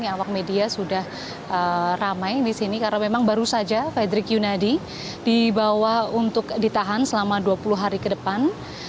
awak media sudah ramai di sini karena memang baru saja frederick yunadi dibawa untuk ditahan selama dua puluh hari ke depan